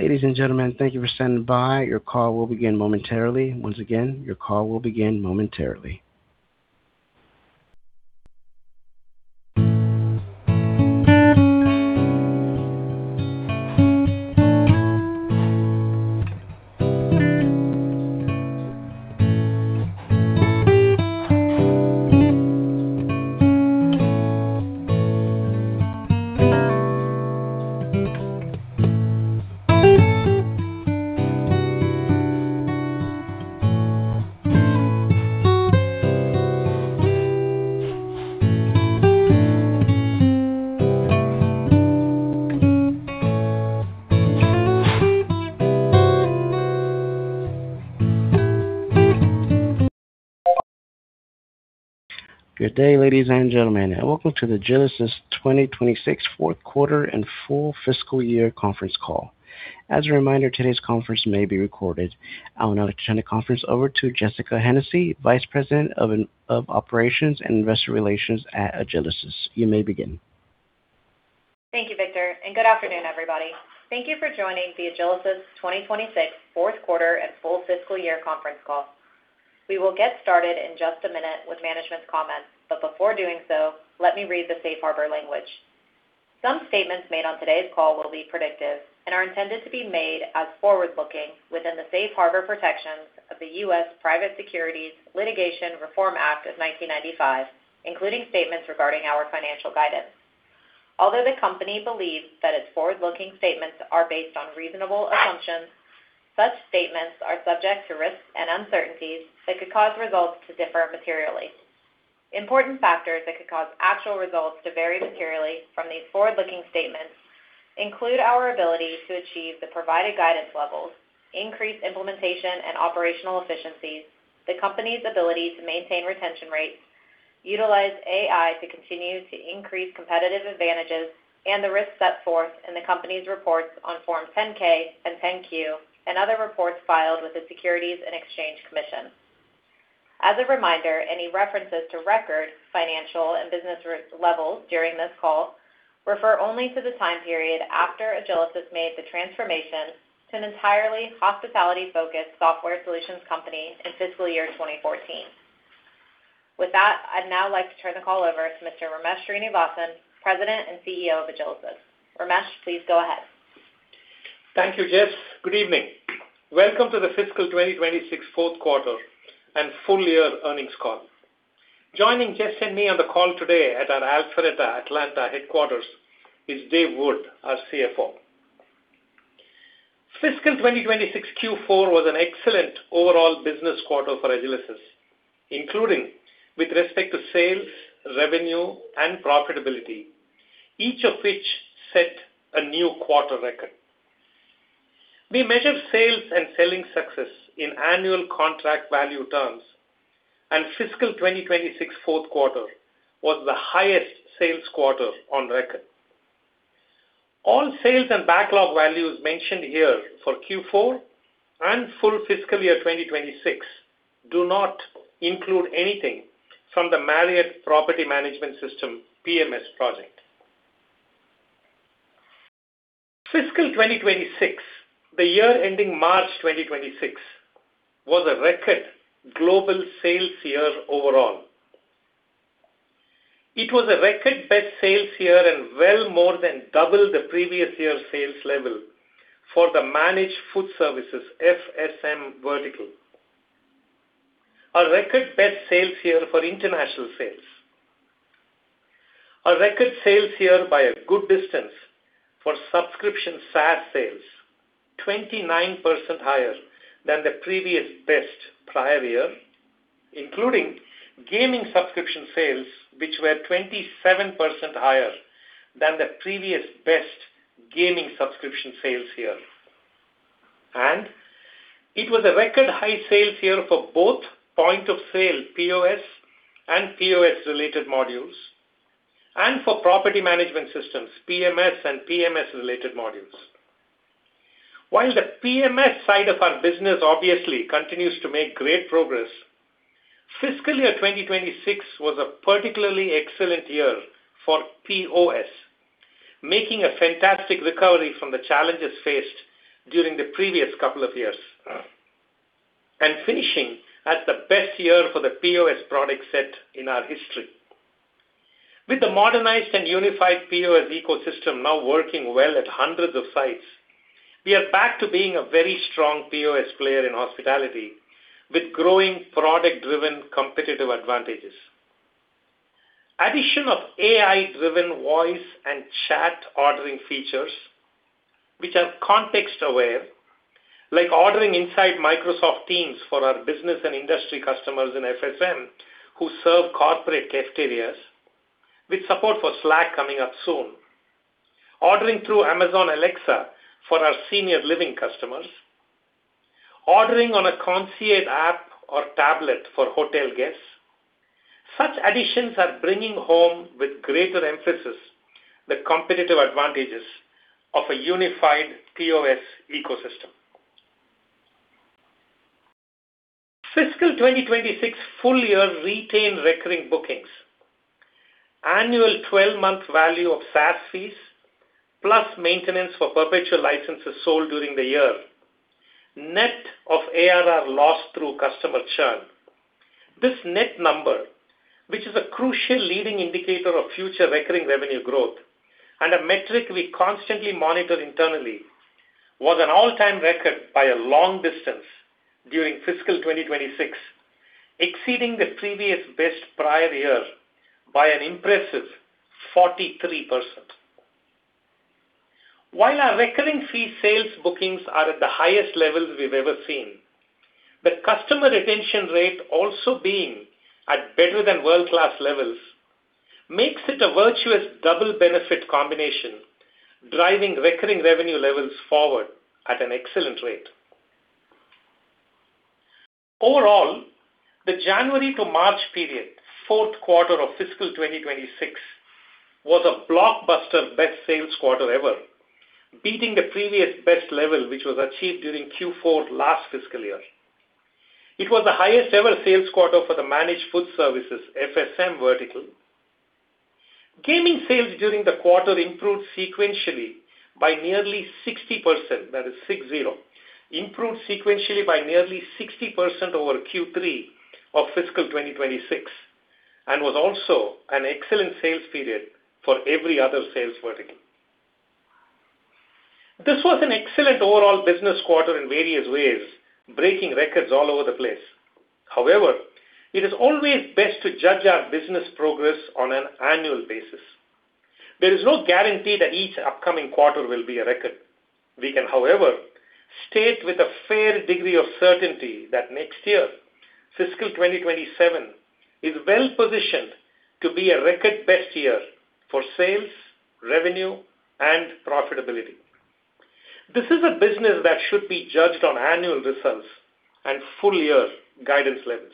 Good day, ladies and gentlemen, and welcome to the Agilysys 2026 fourth quarter and full fiscal year conference call. As a reminder, today's conference may be recorded. I would now like to turn the conference over to Jessica Hennessy, Vice President of Operations and Investor Relations at Agilysys. You may begin. Thank you, Victor, good afternoon, everybody. Thank you for joining the Agilysys 2026 fourth quarter and full fiscal year conference call. We will get started in just a minute with management's comments, but before doing so, let me read the safe harbor language. Some statements made on today's call will be predictive and are intended to be made as forward-looking within the safe harbor protections of the U.S. Private Securities Litigation Reform Act of 1995, including statements regarding our financial guidance. Although the company believes that its forward-looking statements are based on reasonable assumptions, such statements are subject to risks and uncertainties that could cause results to differ materially. Important factors that could cause actual results to vary materially from these forward-looking statements include our ability to achieve the provided guidance levels, increase implementation and operational efficiencies, the company's ability to maintain retention rates, utilize AI to continue to increase competitive advantages, and the risks set forth in the company's reports on forms 10-K and 10-Q and other reports filed with the Securities and Exchange Commission. As a reminder, any references to record financial and business levels during this call refer only to the time period after Agilysys made the transformation to an entirely hospitality-focused software solutions company in fiscal year 2014. With that, I'd now like to turn the call over to Mr. Ramesh Srinivasan, President and CEO of Agilysys. Ramesh, please go ahead. Thank you, Jess. Good evening. Welcome to the fiscal 2026 4th quarter and full year earnings call. Joining Jess and me on the call today at our Alpharetta Atlanta headquarters is Dave Wood, our CFO. Fiscal 2026 Q4 was an excellent overall business quarter for Agilysys, including with respect to sales, revenue, and profitability, each of which set a new quarter record. We measure sales and selling success in Annual Contract Value terms, and fiscal 2026 fourth quarter was the highest sales quarter on record. All sales and backlog values mentioned here for Q4 and full fiscal year 2026 do not include anything from the Marriott Property Management System, PMS project. Fiscal 2026, the year ending March 2026, was a record global sales year overall. It was a record best sales year and well more than double the previous year's sales level for the, managed food services, FSM vertical. A record best sales year for international sales. A record sales year by a good distance for subscription SaaS sales, 29% higher than the previous best prior year, including gaming subscription sales, which were 27% higher than the previous best gaming subscription sales year. It was a record high sales year for both point of sale, POS, and POS-related modules, and for property management systems, PMS and PMS-related modules. While the PMS side of our business obviously continues to make great progress, fiscal year 2026 was a particularly excellent year for POS, making a fantastic recovery from the challenges faced during the previous couple of years, and finishing as the best year for the POS product set in our history. With the modernized and unified POS ecosystem now working well at hundreds of sites, we are back to being a very strong POS player in hospitality with growing product-driven competitive advantages. Addition of AI-driven voice and chat ordering features, which are context-aware, like ordering inside Microsoft Teams for our business and industry customers in FSM who serve corporate cafeterias with support for Slack coming up soon. Ordering through Amazon Alexa for our senior living customers. Ordering on a concierge app or tablet for hotel guests. Such additions are bringing home with greater emphasis the competitive advantages of a unified POS ecosystem. Fiscal 2026 full year retained recurring bookings. Annual 12-month value of SaaS fees, plus maintenance for perpetual licenses sold during the year, net of ARR lost through customer churn. This net number, which is a crucial leading indicator of future recurring revenue growth and a metric we constantly monitor internally, was an all-time record by a long distance during fiscal 2026, exceeding the previous best prior year by an impressive 43%. While our recurring fee sales bookings are at the highest levels we've ever seen, the customer retention rate also being at better-than-world-class levels makes it a virtuous double benefit combination, driving recurring revenue levels forward at an excellent rate. Overall, the January to March period, fourth quarter of fiscal 2026, was a blockbuster best sales quarter ever, beating the previous best level, which was achieved during Q4 last fiscal year. It was the highest ever sales quarter for the managed food services FSM vertical. Gaming sales during the quarter improved sequentially by nearly 60%. That is 60. Improved sequentially by nearly 60% over Q3 of fiscal 2026, and was also an excellent sales period for every other sales vertical. This was an excellent overall business quarter in various ways, breaking records all over the place. However, it is always best to judge our business progress on an an annual basis. There is no guarantee that each upcoming quarter will be a record. We can, however, state with a fair degree of certainty that next year, fiscal 2027, is well-positioned to be a record best year for sales, revenue, and profitability. This is a business that should be judged on annual results and full year guidance levels.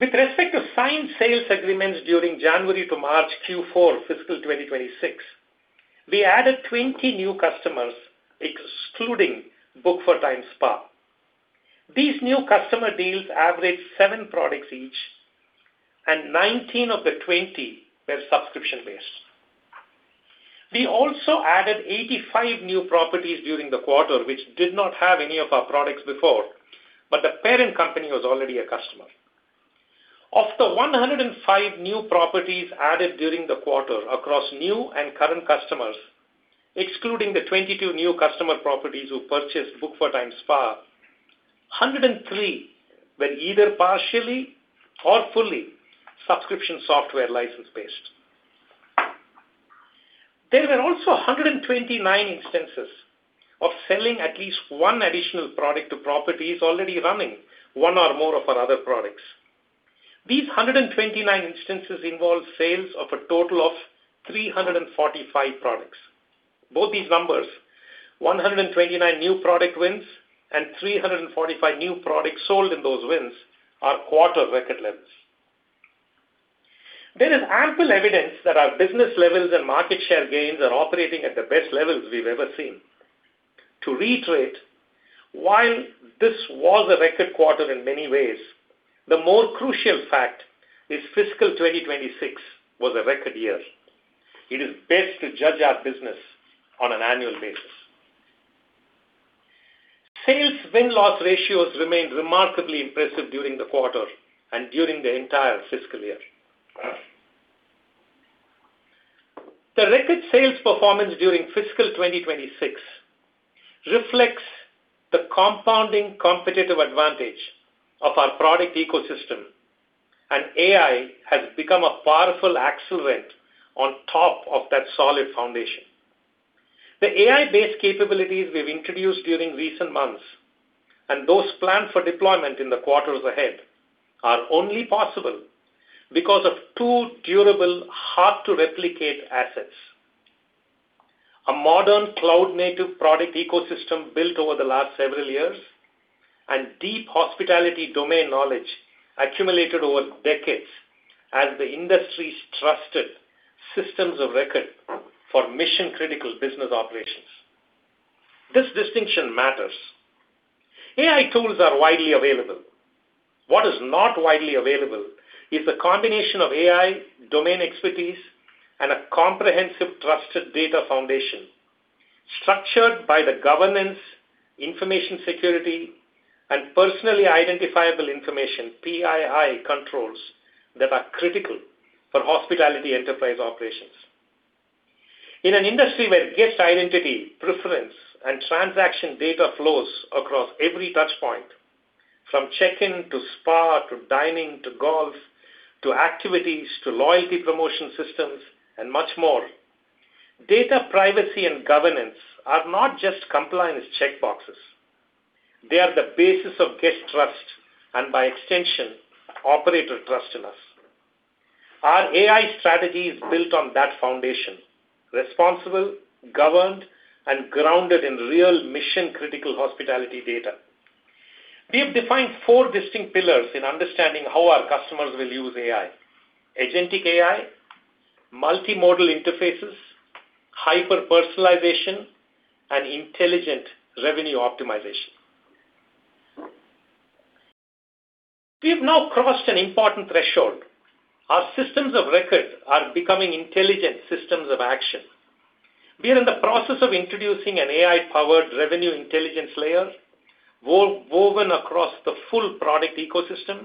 With respect to signed sales agreements during January to March Q4 fiscal 2026, we added 20 new customers, excluding Book4Time. These new customer deals averaged seven products each, and 19 of the 20 were subscription-based. We also added 85 new properties during the quarter, which did not have any of our products before, but the parent company was already a customer. Of the 105 new properties added during the quarter across new and current customers, excluding the 22 new customer properties who purchased Book4Time, 103 were either partially or fully subscription software license-based. There were also 129 instances of selling at least one additional product to properties already running one or more of our other products. These 129 instances involve sales of a total of 345 products. Both these numbers, 129 new product wins and 345 new products sold in those wins, are quarter record levels. There is ample evidence that our business levels and market share gains are operating at the best levels we've ever seen. To reiterate, while this was a record quarter in many ways, the more crucial fact is fiscal 2026 was a record year. It is best to judge our business on an annual basis. Sales win-loss ratios remained remarkably impressive during the quarter and during the entire fiscal year. The record sales performance during fiscal 2026 reflects the compounding competitive advantage of our product ecosystem, and AI has become a powerful accelerant on top of that solid foundation. The AI-based capabilities we've introduced during recent months, and those planned for deployment in the quarters ahead, are only possible because of two durable, hard-to-replicate assets. A modern cloud-native product ecosystem built over the last several years and deep hospitality domain knowledge accumulated over decades as the industry's trusted systems of record for mission-critical business operations. This distinction matters. AI tools are widely available. What is not widely available is the combination of AI, domain expertise, and a comprehensive, trusted data foundation structured by the governance, information security, and personally identifiable information, PII controls that are critical for hospitality enterprise operations. In an industry where guest identity, preference, and transaction data flows across every touch point, from check-in to spa to dining to golf to activities to loyalty promotion systems and much more, data privacy and governance are not just compliance checkboxes. They are the basis of guest trust and, by extension, operator trust in us. Our AI strategy is built on that foundation, responsible, governed, and grounded in real mission-critical hospitality data. We have defined four distinct pillars in understanding how our customers will use AI: agentic AI, multimodal interfaces, hyper-personalization, and intelligent revenue optimization. We have now crossed an important threshold. Our systems of record are becoming intelligent systems of action. We are in the process of introducing an AI-powered Revenue Intelligence layer woven across the full product ecosystem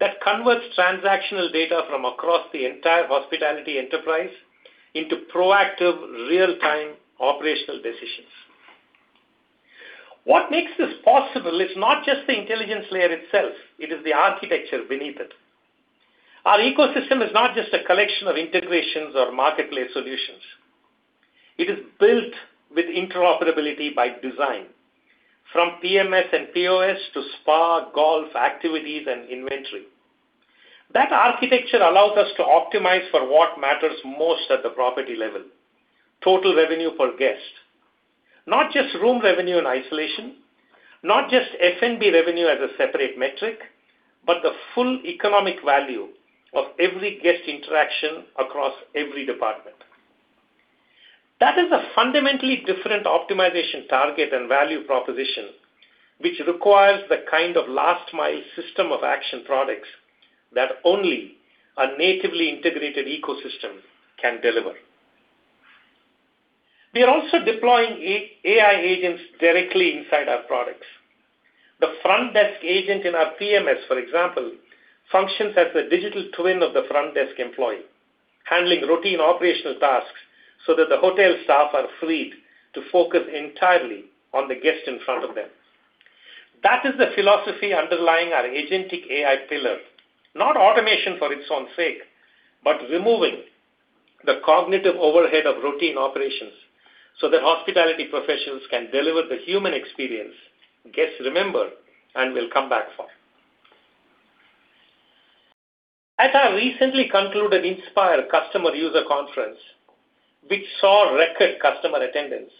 that converts transactional data from across the entire hospitality enterprise into proactive real-time operational decisions. What makes this possible is not just the intelligence layer itself, it is the architecture beneath it. Our ecosystem is not just a collection of integrations or marketplace solutions. It is built with interoperability by design, from PMS and POS to spa, golf, activities, and inventory. That architecture allows us to optimize for what matters most at the property level, total revenue per guest. Not just room revenue in isolation, not just F&B revenue as a separate metric, but the full economic value of every guest interaction across every department. That is a fundamentally different optimization target and value proposition, which requires the kind of last-mile system-of-action products that only a natively integrated ecosystem can deliver. We are also deploying AI agents directly inside our products. The front desk agent in our PMS, for example, functions as a digital twin of the front desk employee, handling routine operational tasks so that the hotel staff are freed to focus entirely on the guest in front of them. That is the philosophy underlying our agentic AI pillar. Not automation for its own sake, but removing the cognitive overhead of routine operations so that hospitality professionals can deliver the human experience guests remember and will come back for. At our recently concluded Inspire customer user conference, which saw record customer attendance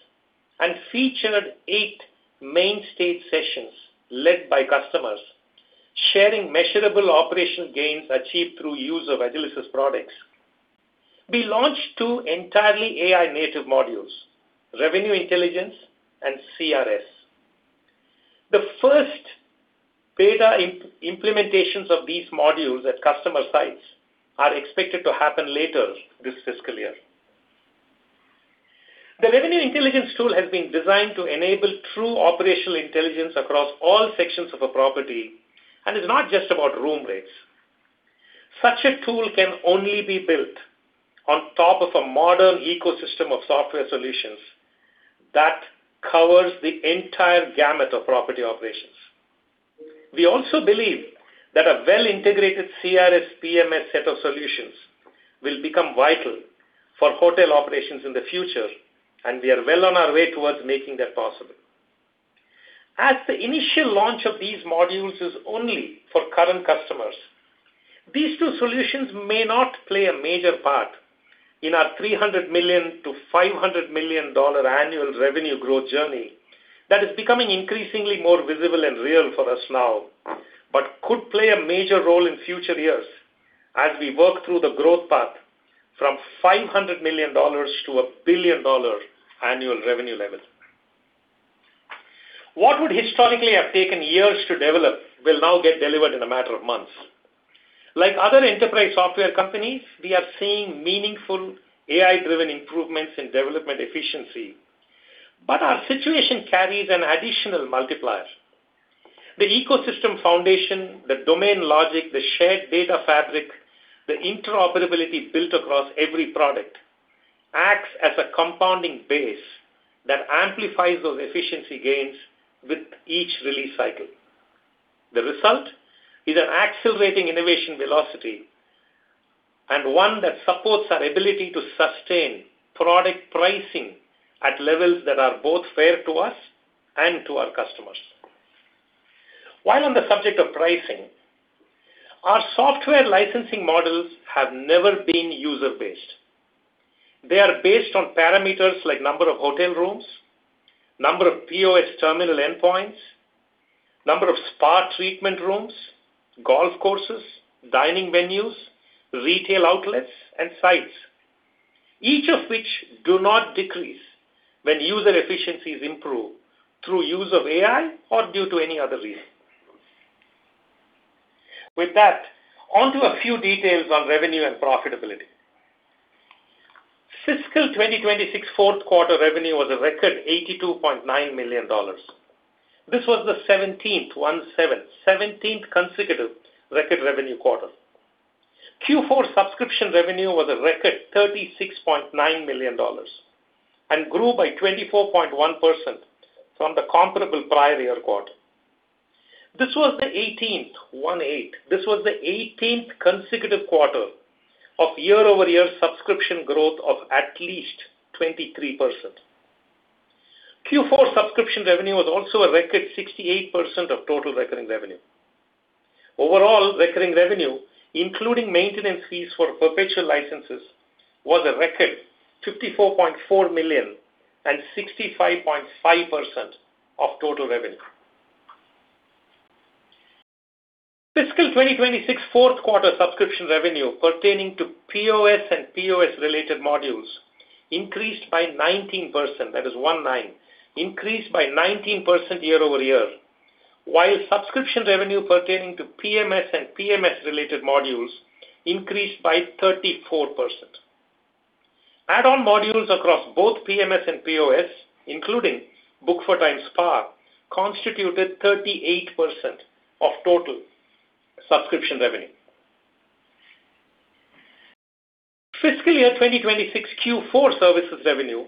and featured eight main stage sessions led by customers sharing measurable operational gains achieved through use of Agilysys products, we launched two entirely AI-native modules: Revenue Intelligence and CRS. The first beta implementations of these modules at customer sites are expected to happen later this fiscal year. The Revenue Intelligence tool has been designed to enable true operational intelligence across all sections of a property, and is not just about room rates. Such a tool can only be built on top of a modern ecosystem of software solutions that covers the entire gamut of property operations. We also believe that a well-integrated CRS PMS set of solutions will become vital for hotel operations in the future, and we are well on our way towards making that possible. As the initial launch of these modules is only for current customers, these two solutions may not play a major part in our $300 million-$500 million annual revenue growth journey that is becoming increasingly more visible and real for us now, but could play a major role in future years as we work through the growth path from $500 million-$1 billion annual revenue level. What would historically have taken years to develop will now get delivered in a matter of months. Like other enterprise software companies, we are seeing meaningful AI-driven improvements in development efficiency, but our situation carries an additional multiplier. The ecosystem foundation, the domain logic, the shared data fabric, the interoperability built across every product acts as a compounding base that amplifies those efficiency gains with each release cycle. The result is an accelerating innovation velocity, and one that supports our ability to sustain product pricing at levels that are both fair to us and to our customers. While on the subject of pricing, our software licensing models have never been user-based. They are based on parameters like number of hotel rooms, number of POS terminal endpoints, number of spa treatment rooms, golf courses, dining venues, retail outlets, and sites, each of which do not decrease when user efficiencies improve through use of AI or due to any other reason. With that, onto a few details on revenue and profitability. Fiscal 2026 fourth quarter revenue was a record $82.9 million. This was the 17th, one seven, consecutive record revenue quarter. Q4 subscription revenue was a record $36.9 million and grew by 24.1% from the comparable prior year quarter. This was the 18th, one eight, consecutive quarter of year-over-year subscription growth of at least 23%. Q4 subscription revenue was also a record 68% of total recurring revenue. Overall, recurring revenue, including maintenance fees for perpetual licenses, was a record $54.4 million and 65.5% of total revenue. Fiscal 2026 fourth quarter subscription revenue pertaining to POS and POS-related modules increased by 19%, that is one nine, year-over-year, while subscription revenue pertaining to PMS and PMS-related modules increased by 34%. Add-on modules across both PMS and POS, including Book4Time spa, constituted 38% of total subscription revenue. Fiscal year 2026 Q4 services revenue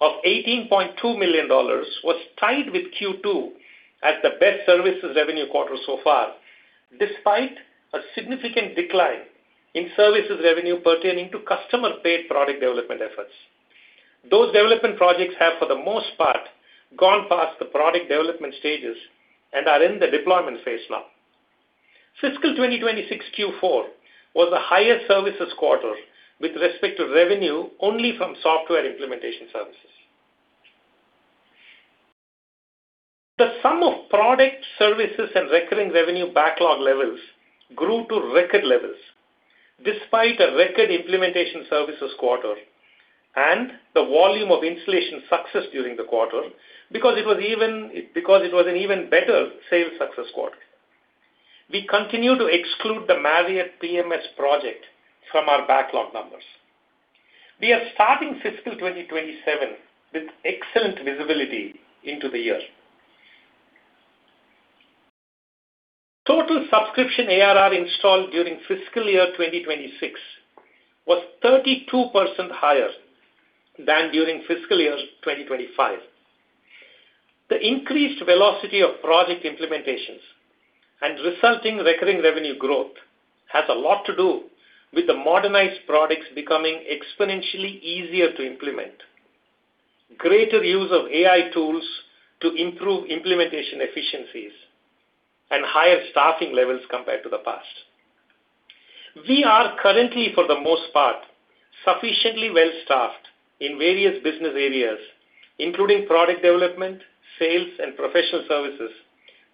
of $18.2 million was tied with Q2 as the best services revenue quarter so far, despite a significant decline in services revenue pertaining to customer-paid product development efforts. Those development projects have, for the most part, gone past the product development stages and are in the deployment phase now. Fiscal 2026 Q4 was the highest services quarter with respect to revenue only from software implementation services. The sum of product services and recurring revenue backlog levels grew to record levels despite a record implementation services quarter and the volume of installation success during the quarter because it was an even better sales success quarter. We continue to exclude the Marriott PMS project from our backlog numbers. We are starting fiscal 2027 with excellent visibility into the year. Total subscription ARR installed during fiscal year 2026 was 32% higher than during fiscal year 2025. The increased velocity of project implementations and resulting recurring revenue growth has a lot to do with the modernized products becoming exponentially easier to implement, greater use of AI tools to improve implementation efficiencies, and higher staffing levels compared to the past. We are currently, for the most part, sufficiently well-staffed in various business areas, including product development, sales, and professional services,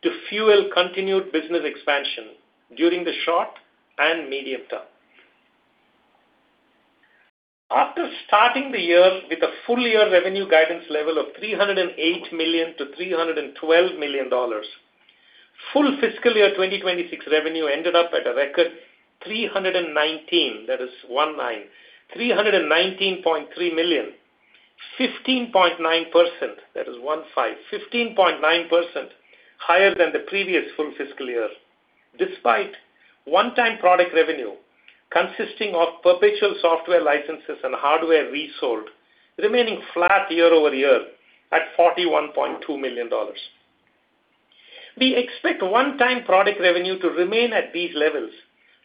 to fuel continued business expansion during the short and medium term. After starting the year with a full year revenue guidance level of $308 million-$312 million, full fiscal year 2026 revenue ended up at a record $319.3 million, 15.9% higher than the previous full fiscal year, despite one-time product revenue consisting of perpetual software licenses and hardware resold remaining flat year-over-year at $41.2 million. We expect one-time product revenue to remain at these levels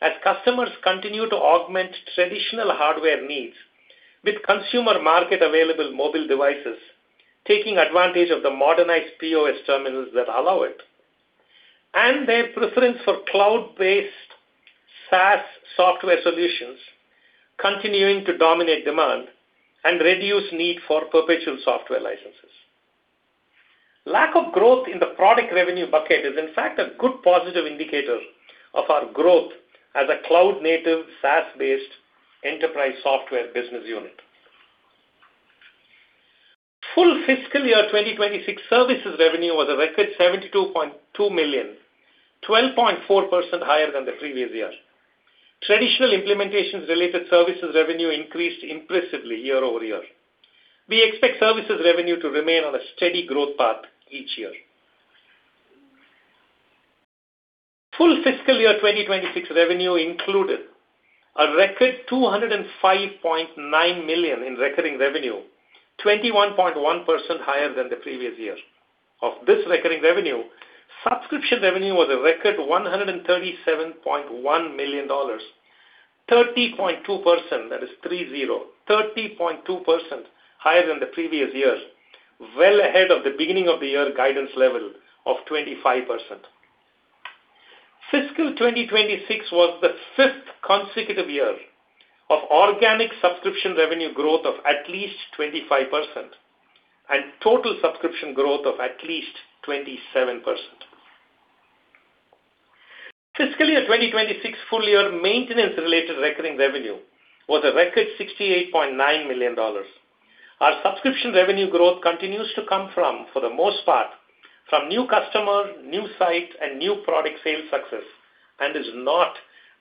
as customers continue to augment traditional hardware needs with consumer market-available mobile devices, taking advantage of the modernized POS terminals that allow it, and their preference for cloud-based SaaS software solutions continuing to dominate demand and reduce need for perpetual software licenses. Lack of growth in the product revenue bucket is, in fact, a good positive indicator of our growth as a cloud-native, SaaS-based enterprise software business unit. Full fiscal year 2026 services revenue was a record $72.2 million, 12.4% higher than the previous year. Traditional implementations related services revenue increased impressively year over year. We expect services revenue to remain on a steady growth path each year. Full fiscal year 2026 revenue included a record $205.9 million in recurring revenue, 21.1% higher than the previous year. Of this recurring revenue, subscription revenue was a record $137.1 million, 30.2%, that is 30.2% higher than the previous years, well ahead of the beginning of the year guidance level of 25%. Fiscal 2026 was the fifth consecutive year of organic subscription revenue growth of at least 25% and total subscription growth of at least 27%. Fiscal year 2026 full-year maintenance-related recurring revenue was a record $68.9 million. Our subscription revenue growth continues to come from, for the most part, from new customer, new site, and new product sales success and is not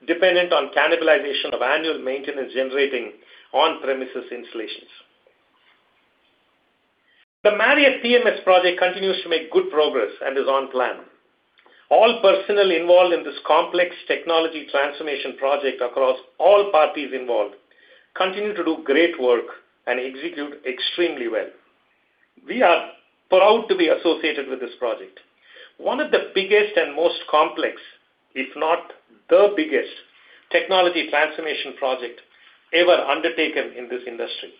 dependent on cannibalization of annual maintenance generating on-premises installations. The Marriott PMS project continues to make good progress and is on plan. All personnel involved in this complex technology transformation project across all parties involved continue to do great work and execute extremely well. We are proud to be associated with this project, one of the biggest and most complex, if not the biggest, technology transformation project ever undertaken in this industry.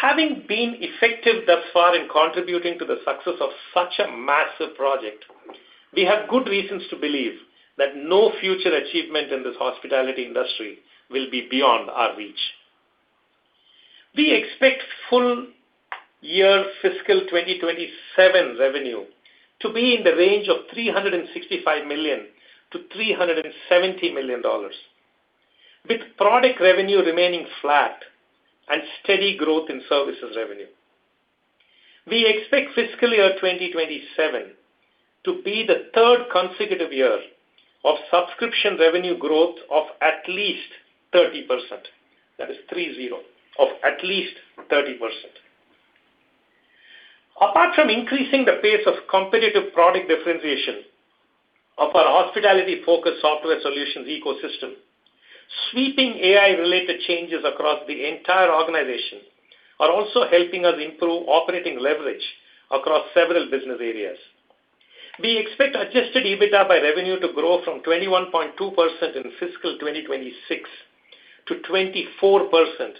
Having been effective thus far in contributing to the success of such a massive project, we have good reasons to believe that no future achievement in this hospitality industry will be beyond our reach. We expect full year fiscal 2027 revenue to be in the range of $365 million-$370 million, with product revenue remaining flat and steady growth in services revenue. We expect fiscal year 2027 to be the third consecutive year of subscription revenue growth of at least 30%. That is three zero, of at least 30%. Apart from increasing the pace of competitive product differentiation of our hospitality-focused software solutions ecosystem, sweeping AI-related changes across the entire organization are also helping us improve operating leverage across several business areas. We expect adjusted EBITDA by revenue to grow from 21.2% in fiscal 2026 to 24%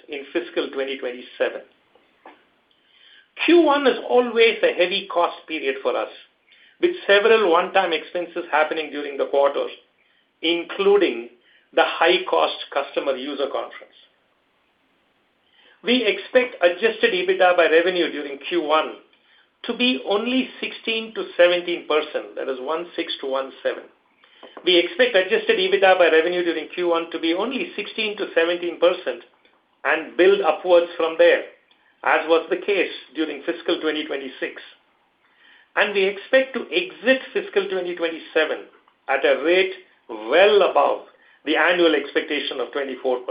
in fiscal 2027. Q1 is always a heavy cost period for us, with several one-time expenses happening during the quarter, including the high-cost customer user conference. We expect adjusted EBITDA by revenue during Q1 to be only 16%-17%. That is one six to one seven. We expect adjusted EBITDA by revenue during Q1 to be only 16%-17% and build upwards from there, as was the case during fiscal 2026. We expect to exit fiscal 2027 at a rate well above the annual expectation of 24%.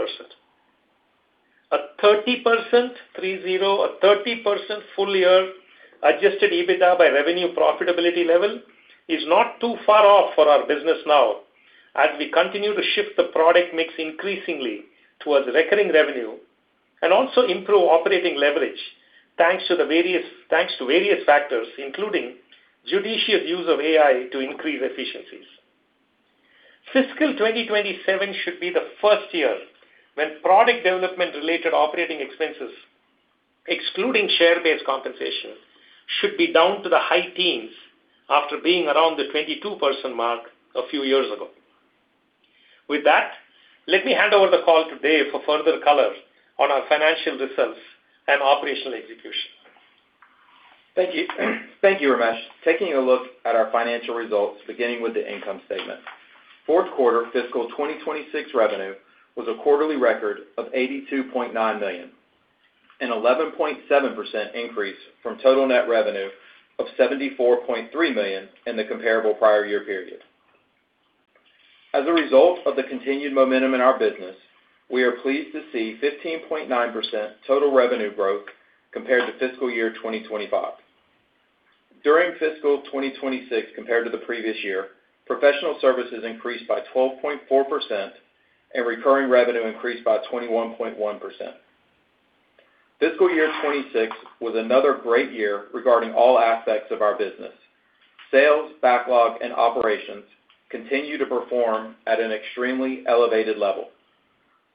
A 30%, three zero, a 30% full-year adjusted EBITDA by revenue profitability level is not too far off for our business now as we continue to shift the product mix increasingly towards recurring revenue and also improve operating leverage, thanks to various factors, including judicious use of AI to increase efficiencies. Fiscal 2027 should be the first year when product development-related operating expenses, excluding share-based compensation, should be down to the high teens after being around the 22% mark a few years ago. With that, let me hand over the call to Dave for further color on our financial results and operational execution. Thank you. Thank you, Ramesh. Taking a look at our financial results, beginning with the income statement. Fourth quarter fiscal 2026 revenue was a quarterly record of $82.9 million, an 11.7% increase from total net revenue of $74.3 million in the comparable prior year period. As a result of the continued momentum in our business, we are pleased to see 15.9% total revenue growth compared to fiscal year 2025. During fiscal 2026 compared to the previous year, professional services increased by 12.4%, and recurring revenue increased by 21.1%. Fiscal year 2026 was another great year regarding all aspects of our business. Sales, backlog, and operations continue to perform at an extremely elevated level.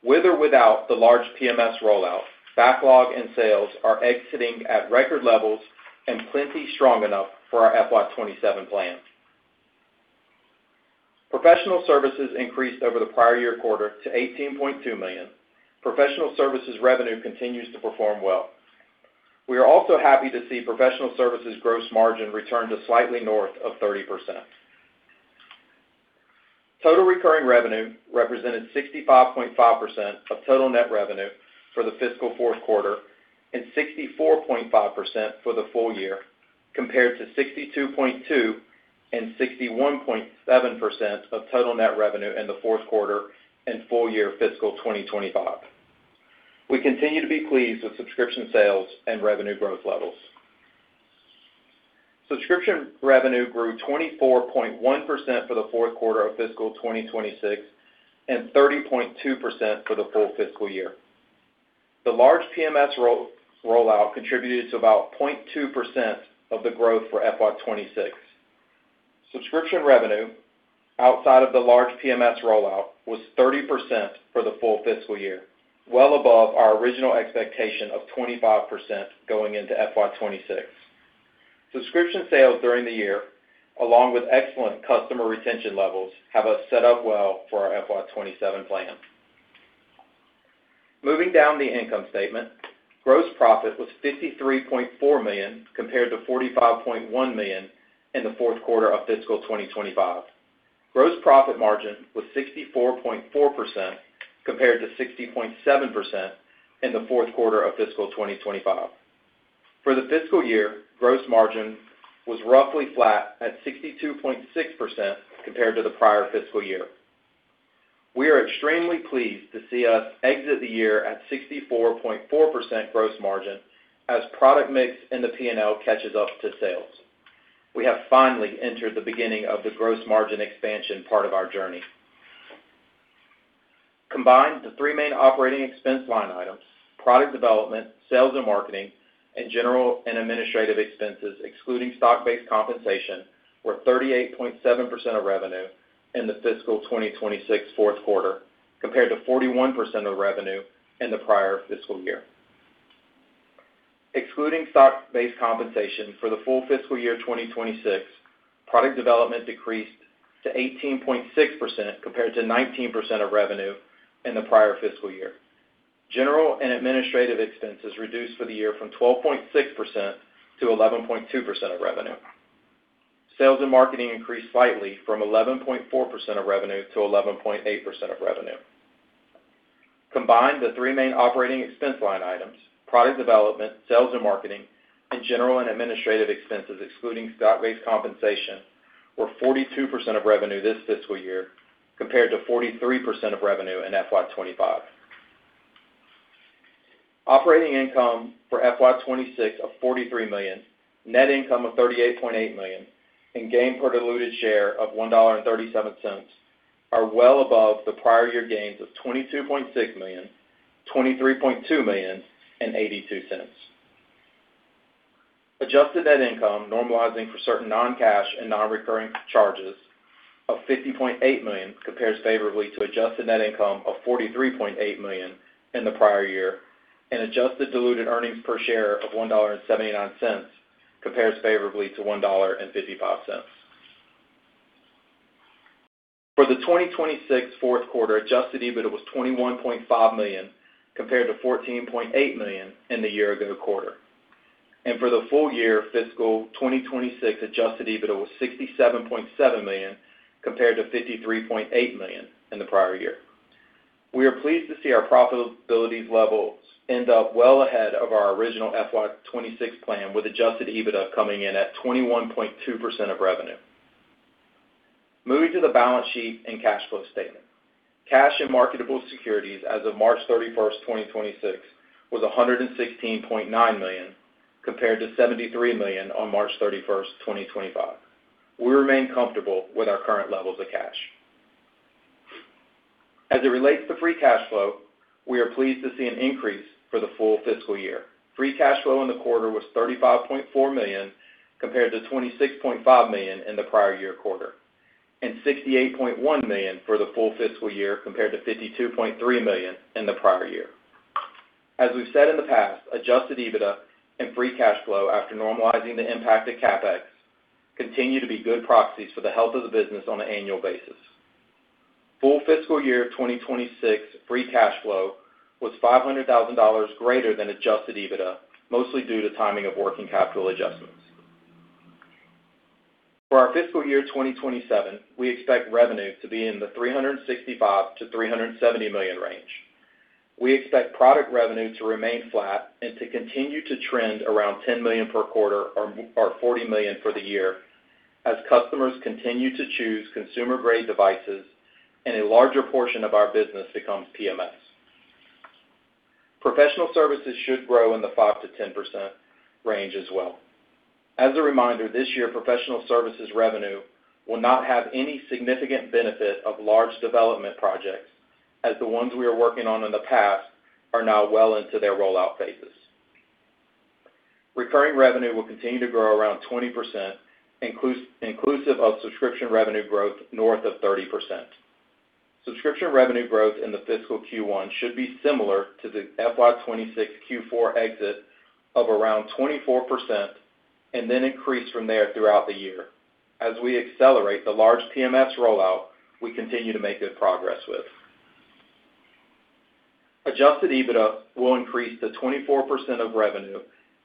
With or without the large PMS rollout, backlog and sales are exiting at record levels and plenty strong enough for our FY 2027 plans. Professional services increased over the prior year quarter to $18.2 million. Professional services revenue continues to perform well. We are also happy to see professional services gross margin return to slightly north of 30%. Total recurring revenue represented 65.5% of total net revenue for the fiscal fourth quarter and 64.5% for the full year, compared to 62.2% and 61.7% of total net revenue in the fourth quarter and full year fiscal 2025. We continue to be pleased with subscription sales and revenue growth levels. Subscription revenue grew 24.1% for the fourth quarter of fiscal 2026 and 30.2% for the full fiscal year. The large PMS roll-out contributed to about 0.2% of the growth for FY 2026. Subscription revenue outside of the large PMS rollout was 30% for the full fiscal year, well above our original expectation of 25% going into FY 2026. Subscription sales during the year, along with excellent customer retention levels, have us set up well for our FY 2027 plan. Moving down the income statement, gross profit was $53.4 million compared to $45.1 million in the fourth quarter of fiscal 2025. Gross profit margin was 64.4% compared to 60.7% in the fourth quarter of fiscal 2025. For the fiscal year, gross margin was roughly flat at 62.6% compared to the prior fiscal year. We are extremely pleased to see us exit the year at 64.4% gross margin as product mix in the P&L catches up to sales. We have finally entered the beginning of the gross margin expansion part of our journey. Combined, the three main operating expense line items, product development, sales and marketing, and general and administrative expenses, excluding stock-based compensation, were 38.7% of revenue in the fiscal 2026 fourth quarter compared to 41% of revenue in the prior fiscal year. Excluding stock-based compensation for the full fiscal year 2026, product development decreased to 18.6% compared to 19% of revenue in the prior fiscal year. General and administrative expenses reduced for the year from 12.6% to 11.2% of revenue. Sales and marketing increased slightly from 11.4% of revenue to 11.8% of revenue. Combined, the three main operating expense line items, product development, sales and marketing, and general and administrative expenses excluding stock-based compensation, were 42% of revenue this fiscal year compared to 43% of revenue in FY 2025. Operating income for FY 2026 of $43 million, net income of $38.8 million, and gain per diluted share of $1.37 are well above the prior year gains of $22.6 million, $23.2 million, and $0.82. Adjusted net income normalizing for certain non-cash and non-recurring charges of $50.8 million compares favorably to adjusted net income of $43.8 million in the prior year, and adjusted diluted earnings per share of $1.79 compares favorably to $1.55. For the 2026 fourth quarter, adjusted EBITDA was $21.5 million compared to $14.8 million in the year ago quarter. For the full year fiscal 2026, adjusted EBITDA was $67.7 million compared to $53.8 million in the prior year. We are pleased to see our profitability levels end up well ahead of our original FY 2026 plan, with adjusted EBITDA coming in at 21.2% of revenue. Moving to the balance sheet and cash flow statement. Cash and marketable securities as of March 31st, 2026 was $116.9 million, compared to $73 million on March 31st, 2025. We remain comfortable with our current levels of cash. As it relates to free cash flow, we are pleased to see an increase for the full fiscal year. Free cash flow in the quarter was $35.4 million compared to $26.5 million in the prior year quarter, and $68.1 million for the full fiscal year compared to $52.3 million in the prior year. As we've said in the past, adjusted EBITDA and free cash flow after normalizing the impact of CapEx continue to be good proxies for the health of the business on an annual basis. Full fiscal year 2026 free cash flow was $500,000 greater than adjusted EBITDA, mostly due to timing of working capital adjustments. For our fiscal year 2027, we expect revenue to be in the $365 million-$370 million range. We expect product revenue to remain flat and to continue to trend around $10 million per quarter or $40 million for the year as customers continue to choose consumer-grade devices and a larger portion of our business becomes PMS. Professional services should grow in the 5%-10% range as well. As a reminder, this year, professional services revenue will not have any significant benefit of large development projects as the ones we are working on in the past are now well into their rollout phases. Recurring revenue will continue to grow around 20% inclusive of subscription revenue growth north of 30%. Subscription revenue growth in the fiscal Q1 should be similar to the FY 2026 Q4 exit of around 24% and then increase from there throughout the year as we accelerate the large PMS rollout we continue to make good progress with. Adjusted EBITDA will increase to 24% of revenue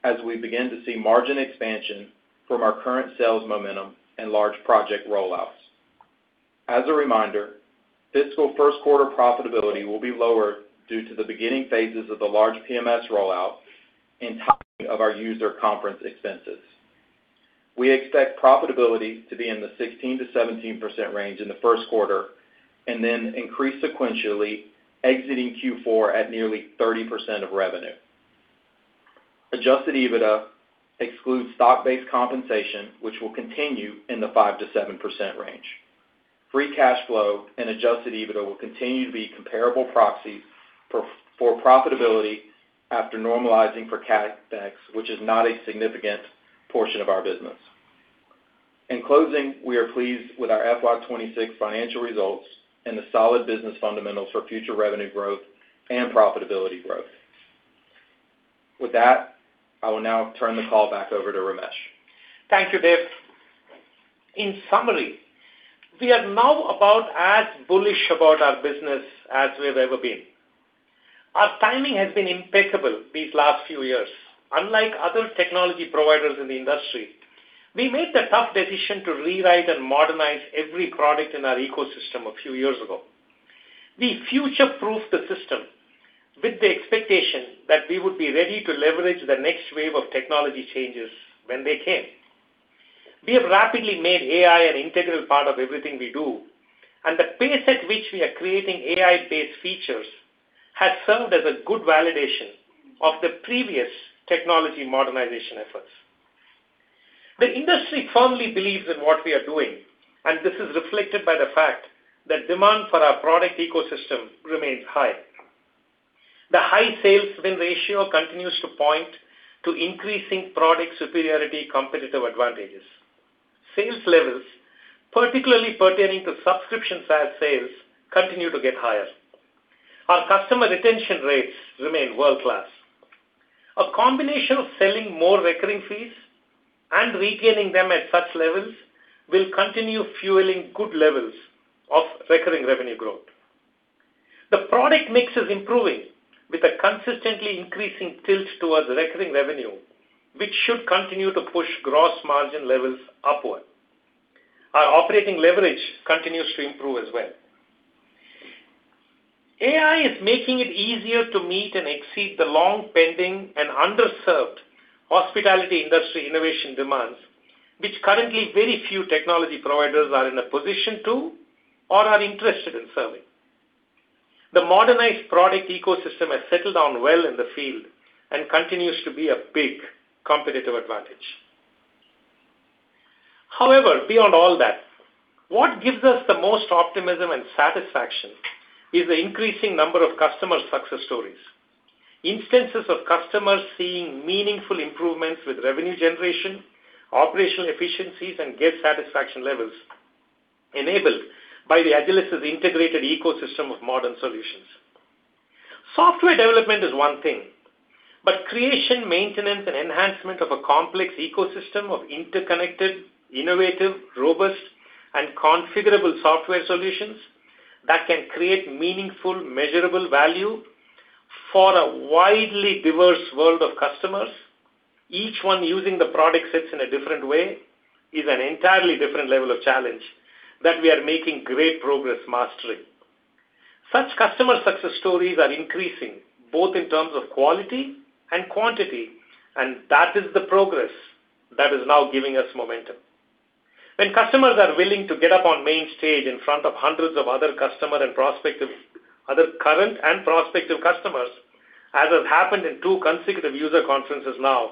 as we begin to see margin expansion from our current sales momentum and large project rollouts. As a reminder, fiscal first quarter profitability will be lower due to the beginning phases of the large PMS rollout and timing of our user conference expenses. We expect profitability to be in the 16%-17% range in the first quarter and then increase sequentially, exiting Q4 at nearly 30% of revenue. Adjusted EBITDA excludes stock-based compensation, which will continue in the 5%-7% range. Free cash flow and adjusted EBITDA will continue to be comparable proxies for profitability after normalizing for CapEx, which is not a significant portion of our business. In closing, we are pleased with our FY 2026 financial results and the solid business fundamentals for future revenue growth and profitability growth. With that, I will now turn the call back over to Ramesh. Thank you, Dave. In summary, we are now about as bullish about our business as we've ever been. Our timing has been impeccable these last few years. Unlike other technology providers in the industry, we made the tough decision to rewrite and modernize every product in our ecosystem a few years ago. We future-proofed the system with the expectation that we would be ready to leverage the next wave of technology changes when they came. We have rapidly made AI an integral part of everything we do, and the pace at which we are creating AI-based features has served as a good validation of the previous technology modernization efforts. The industry firmly believes in what we are doing, and this is reflected by the fact that demand for our product ecosystem remains high. The high sales win ratio continues to point to increasing product superiority competitive advantages. Sales levels, particularly pertaining to subscription SaaS sales, continue to get higher. Our customer retention rates remain world-class. A combination of selling more recurring fees and retaining them at such levels will continue fueling good levels of recurring revenue growth. The product mix is improving with a consistently increasing tilt towards recurring revenue, which should continue to push gross margin levels upward. Our operating leverage continues to improve as well. AI is making it easier to meet and exceed the long-pending and underserved hospitality industry innovation demands, which currently very few technology providers are in a position to or are interested in serving. The modernized product ecosystem has settled down well in the field and continues to be a big competitive advantage. However, beyond all that, what gives us the most optimism and satisfaction is the increasing number of customer success stories. Instances of customers seeing meaningful improvements with revenue generation, operational efficiencies, and guest satisfaction levels enabled by the Agilysys integrated ecosystem of modern solutions. Software development is one thing, but creation, maintenance, and enhancement of a complex ecosystem of interconnected, innovative, robust, and configurable software solutions that can create meaningful, measurable value for a widely diverse world of customers, each one using the product sets in a different way, is an entirely different level of challenge that we are making great progress mastering. Such customer success stories are increasing, both in terms of quality and quantity, and that is the progress that is now giving us momentum. When customers are willing to get up on main stage in front of hundreds of other current and prospective customers, as has happened in two consecutive user conferences now,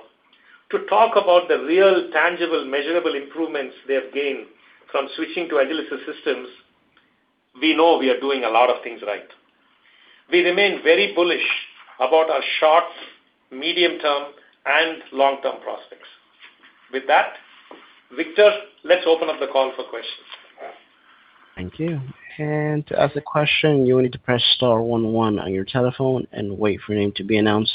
to talk about the real, tangible, measurable improvements they have gained from switching to Agilysys systems, we know we are doing a lot of things right. We remain very bullish about our short, medium-term, and long-term prospects. With that, Victor, let's open up the call for questions. Thank you. To ask a question, you will need to press star one one on your telephone and wait for your name to be announced.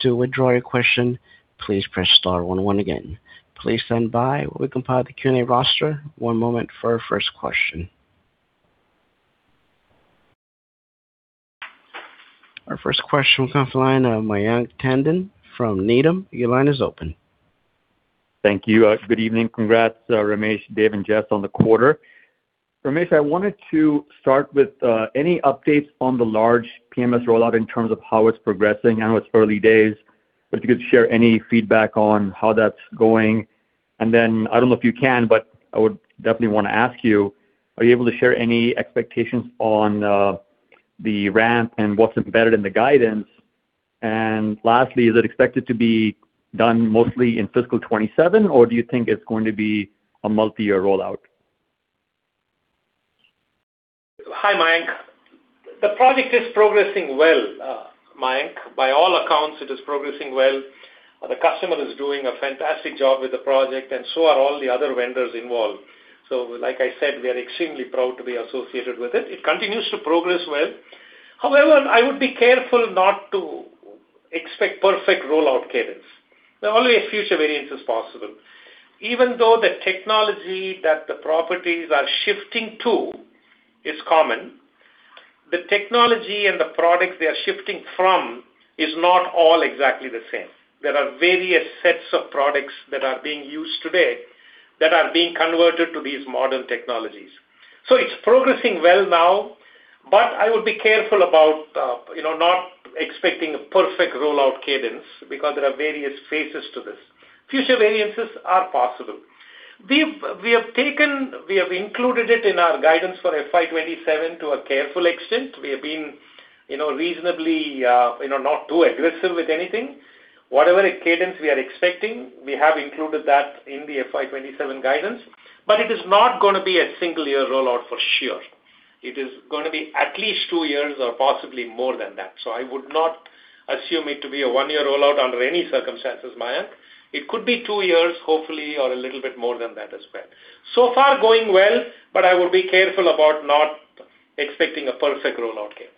To withdraw your question, please press star one one again. Please stand by while we compile the Q&A roster. One moment for our first question. Our first question comes from the line of Mayank Tandon from Needham. Your line is open. Thank you. Good evening. Congrats, Ramesh, Dave, and Jess on the quarter. Ramesh, I wanted to start with any updates on the large PMS rollout in terms of how it's progressing. I know it's early days, but if you could share any feedback on how that's going. I don't know if you can, but I would definitely wanna ask you, are you able to share any expectations on the ramp and what's embedded in the guidance? Lastly, is it expected to be done mostly in FY 2027, or do you think it's going to be a multi-year rollout? Hi, Mayank. The project is progressing well, Mayank. By all accounts, it is progressing well. The customer is doing a fantastic job with the project, and so are all the other vendors involved. Like I said, we are extremely proud to be associated with it. It continues to progress well. However, I would be careful not to expect perfect rollout cadence. There are always future variances possible. Even though the technology that the properties are shifting to is common, the technology and the products they are shifting from is not all exactly the same. There are various sets of products that are being used today that are being converted to these modern technologies. It's progressing well now, but I would be careful about, you know, not expecting a perfect rollout cadence because there are various phases to this. Future variances are possible. We have included it in our guidance for FY 2027 to a careful extent. We have been, you know, reasonably, you know, not too aggressive with anything. Whatever cadence we are expecting, we have included that in the FY 2027 guidance, but it is not gonna be a single-year rollout for sure. It is gonna be at least two years or possibly more than that. I would not assume it to be a one-year rollout under any circumstances, Mayank. It could be two years, hopefully, or a little bit more than that as well. So far going well, but I would be careful about not expecting a perfect rollout cadence.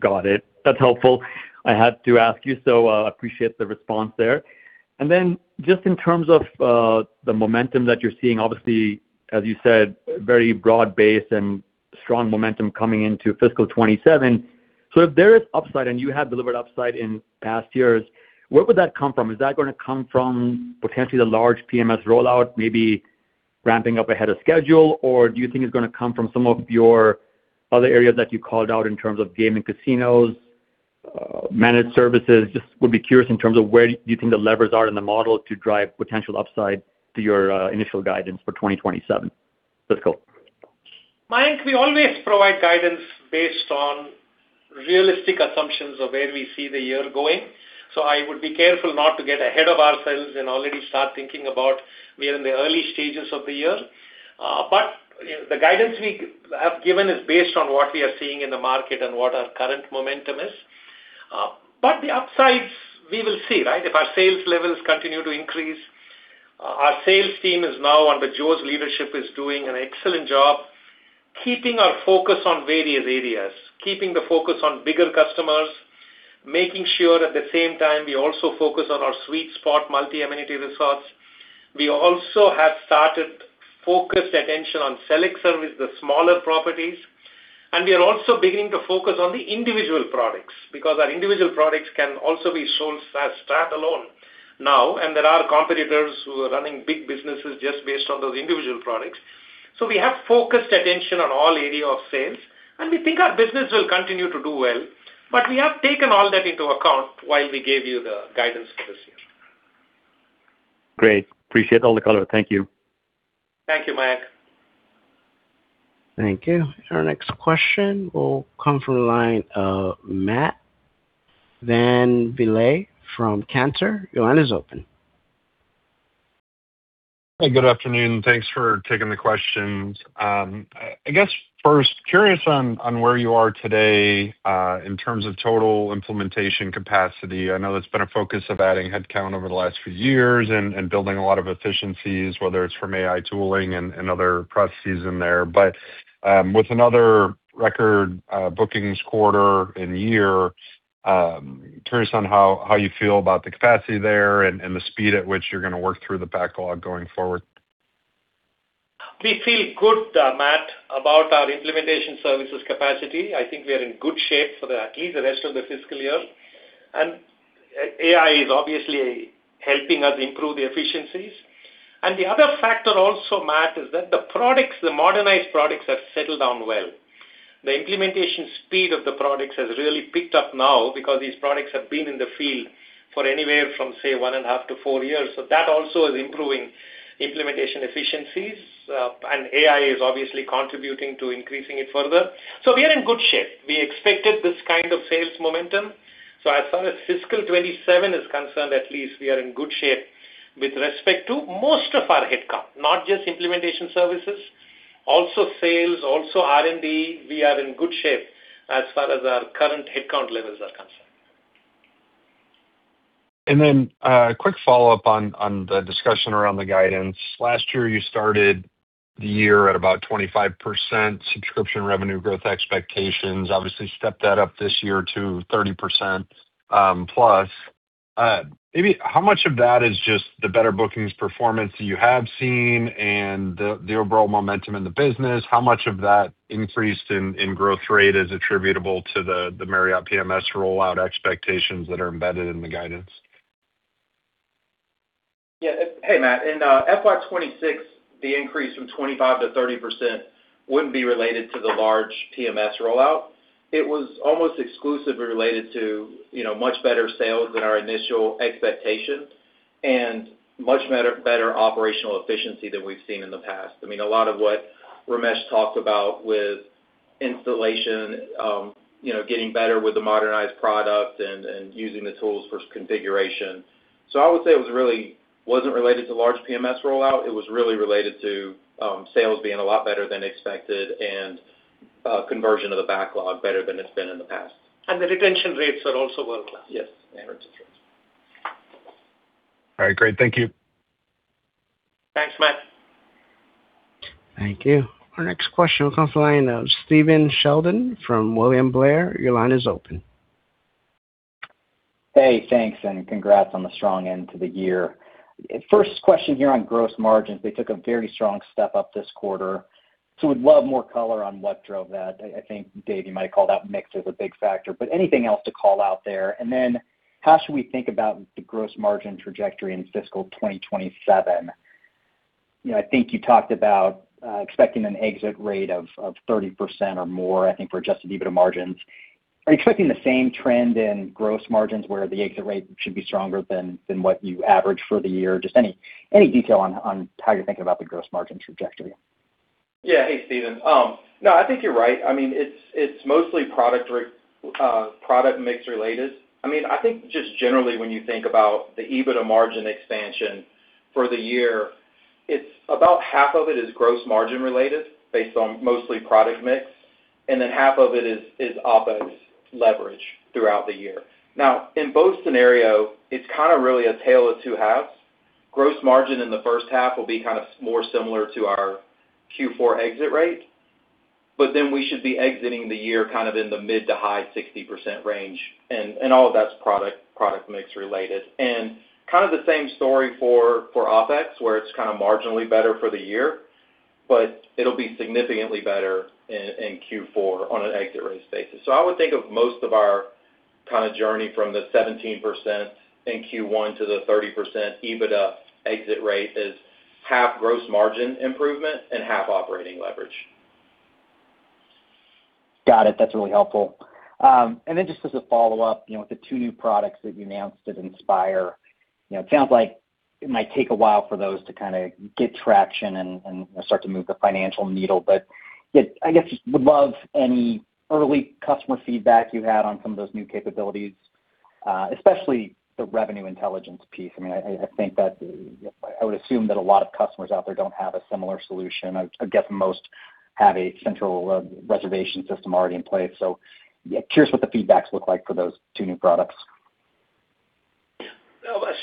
Got it. That's helpful. I had to ask you, appreciate the response there. Just in terms of the momentum that you're seeing, obviously, as you said, very broad base and strong momentum coming into fiscal 2027. If there is upside and you have delivered upside in past years, where would that come from? Is that gonna come from potentially the large PMS rollout, maybe ramping up ahead of schedule? Do you think it's gonna come from some of your other areas that you called out in terms of gaming casinos, managed services? Just would be curious in terms of where you think the levers are in the model to drive potential upside to your initial guidance for 2027 fiscal. Mayank, we always provide guidance based on realistic assumptions of where we see the year going. I would be careful not to get ahead of ourselves and already start thinking about. We are in the early stages of the year. The guidance we have given is based on what we are seeing in the market and what our current momentum is. The upsides we will see, right? If our sales levels continue to increase, our sales team is now under Joe's leadership is doing an excellent job keeping our focus on various areas, keeping the focus on bigger customers, making sure at the same time we also focus on our sweet spot, multi-amenity resorts. We also have started focused attention on select service, the smaller properties, and we are also beginning to focus on the individual products because our individual products can also be sold as standalone now, and there are competitors who are running big businesses just based on those individual products. We have focused attention on all area of sales, and we think our business will continue to do well. We have taken all that into account while we gave you the guidance for this year. Great. Appreciate all the color. Thank you. Thank you, Mayank. Thank you. Our next question will come from the line of Matt VanVliet from Cantor. Your line is open. Hey, good afternoon. Thanks for taking the questions. I guess first, curious on where you are today in terms of total implementation capacity. I know that's been a focus of adding headcount over the last few years and building a lot of efficiencies, whether it's from AI tooling and other processes in there. With another record bookings quarter and year, curious on how you feel about the capacity there and the speed at which you're gonna work through the backlog going forward. We feel good, Matt, about our implementation services capacity. I think we are in good shape for at least the rest of the fiscal year. AI is obviously helping us improve the efficiencies. The other factor also, Matt, is that the products, the modernized products have settled down well. The implementation speed of the products has really picked up now because these products have been in the field for anywhere from, say, one and a half to four years. That also is improving implementation efficiencies, and AI is obviously contributing to increasing it further. We are in good shape. We expected this kind of sales momentum. As far as fiscal 2027 is concerned, at least we are in good shape with respect to most of our headcount, not just implementation services, also sales, also R&D. We are in good shape as far as our current headcount levels are concerned. Quick follow-up on the discussion around the guidance. Last year, you started the year at about 25% subscription revenue growth expectations. Obviously, stepped that up this year to 30%+. Maybe how much of that is just the better bookings performance that you have seen and the overall momentum in the business? How much of that increase in growth rate is attributable to the Marriott PMS rollout expectations that are embedded in the guidance? Yeah. Hey, Matt. In FY 2026, the increase from 25%-30% wouldn't be related to the large PMS rollout. It was almost exclusively related to, you know, much better sales than our initial expectation and much better operational efficiency than we've seen in the past. I mean, a lot of what Ramesh talked about with installation, you know, getting better with the modernized product and using the tools for configuration. It wasn't related to large PMS rollout. It was really related to sales being a lot better than expected and conversion of the backlog better than it's been in the past. The retention rates are also world-class. Yes. The retention rates. All right. Great. Thank you. Thanks, Matt. Thank you. Our next question comes from the line of Stephen Sheldon from William Blair. Your line is open. Hey, thanks. Congrats on the strong end to the year. First question here on gross margins. They took a very strong step up this quarter, so would love more color on what drove that. I think, Dave, you might call that mix as a big factor, but anything else to call out there? How should we think about the gross margin trajectory in fiscal 2027? You know, I think you talked about expecting an exit rate of 30% or more, I think, for adjusted EBITDA margins. Are you expecting the same trend in gross margins where the exit rate should be stronger than what you average for the year? Just any detail on how you're thinking about the gross margin trajectory. Yeah. Hey, Stephen. No, I think you're right. I mean, it's mostly product mix related. I mean, I think just generally when you think about the EBITDA margin expansion for the year, it's about half of it is gross margin related based on mostly product mix, half of it is OpEx leverage throughout the year. In both scenario, it's kind of really a tale of two halves. Gross margin in the first half will be kind of more similar to our Q4 exit rate, we should be exiting the year kind of in the mid to high 60% range, and all of that's product mix related. Kind of the same story for OpEx, where it's kind of marginally better for the year, but it'll be significantly better in Q4 on an exit rate basis. I would think of most of our kind of journey from the 17% in Q1 to the 30% EBITDA exit rate is half gross margin improvement and half operating leverage. Got it. That's really helpful. Just as a follow-up, you know, with the two new products that you announced at Inspire, you know, it sounds like it might take a while for those to kind of get traction and start to move the financial needle. Would love any early customer feedback you had on some of those new capabilities. Especially the Revenue Intelligence piece. I mean, I think that I would assume that a lot of customers out there don't have a similar solution. I guess most have a central reservation system already in place. Curious what the feedbacks look like for those two new products.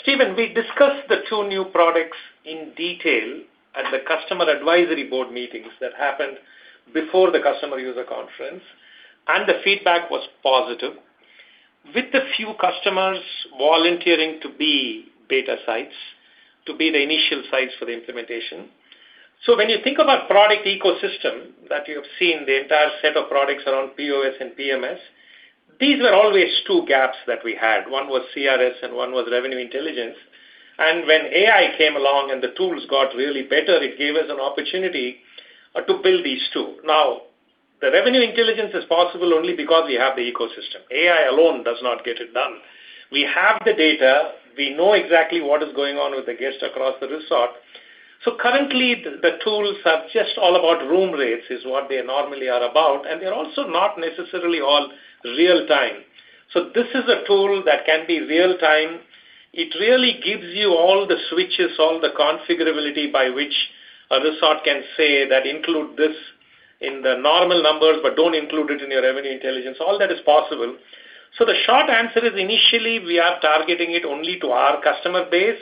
Stephen, we discussed the two new products in detail at the customer advisory board meetings that happened before the Inspire, and the feedback was positive, with a few customers volunteering to be beta sites, to be the initial sites for the implementation. When you think about product ecosystem that you've seen the entire set of products around POS and PMS, these were always two gaps that we had. One was CRS and one was Revenue Intelligence. When AI came along and the tools got really better, it gave us an opportunity to build these two. Now, the Revenue Intelligence is possible only because we have the ecosystem. AI alone does not get it done. We have the data. We know exactly what is going on with the guest across the resort. Currently, the tools are just all about room rates, is what they normally are about, and they're also not necessarily all real-time. This is a tool that can be real-time. It really gives you all the switches, all the configurability by which a resort can say that include this in the normal numbers, but don't include it in your Revenue Intelligence. All that is possible. The short answer is, initially, we are targeting it only to our customer base